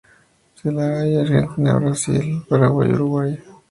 Se la halla en Argentina, Brasil, Paraguay, Uruguay.